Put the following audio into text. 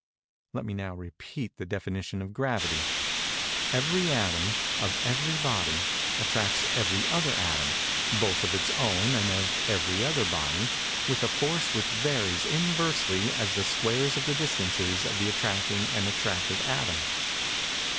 Let me now repeat the definition of gravity:—Every atom, of every body, attracts every other atom, both of its own and of every other body, with a force which varies inversely as the squares of the distances of the attracting and attracted atom.